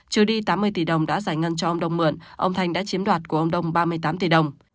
trừ đi tám mươi tỷ đồng đã giải ngân cho ông đông mượn ông thanh đã chiếm đoạt của ông đông ba mươi tám tỷ đồng